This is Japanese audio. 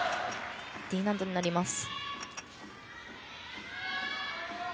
Ｄ難度になります。